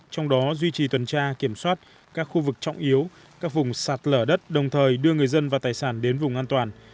trong đó duy trì tuần tra kiểm soát các khu vực trọng yếu các vùng sạt lở đất đồng thời đưa người dân và tài sản đến vùng an toàn